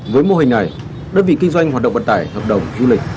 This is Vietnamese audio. với mô hình này đơn vị kinh doanh hoạt động vận tải hợp đồng du lịch